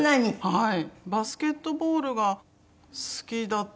はい。